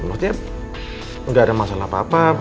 maksudnya nggak ada masalah apa apa